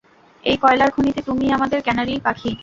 এই কয়লার খনিতে তুমিই আমাদের ক্যানারি পাখি।